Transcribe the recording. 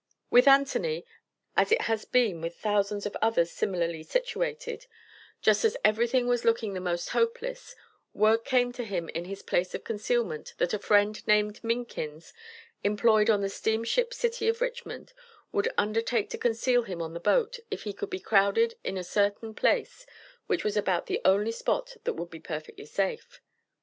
With Anthony, as it has been with thousands of others similarly situated, just as everything was looking the most hopeless, word came to him in his place of concealment that a friend named Minkins, employed on the steamship City of Richmond, would undertake to conceal him on the boat, if he could be crowded in a certain place, which was about the only spot that would be perfectly safe.